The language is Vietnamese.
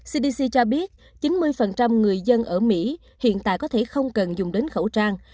cdc cho biết chín mươi người dân ở mỹ hiện tại có thể không cần dùng đến khẩu trang